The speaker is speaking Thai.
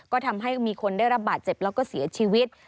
ก็ทำให้มีคนได้รับบาดเจ็บแล้วก็เสียชีวิต